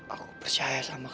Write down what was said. aku percaya sama kamu